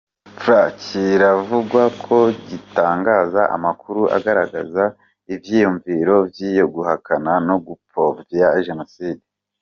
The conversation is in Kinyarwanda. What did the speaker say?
fr " kiravugwa ko gitangaza amakuru agaragaza ivyiyumviro vyo guhakana no gupfovya jenoside.